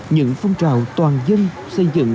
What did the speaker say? những phong trào toàn dân xây dựng